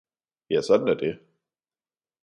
Ja, sådan er det!